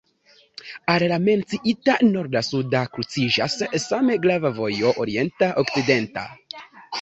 Al la menciita norda-suda kruciĝas same grava vojo orienta-okcidenta.